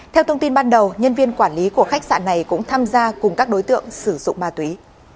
theo thông tin ban đầu nhân viên quản lý của khách sạn này cũng tham gia cùng các đối tượng sử dụng ma túy